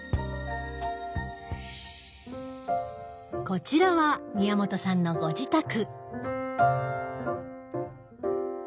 こちらは宮本さんのご自宅。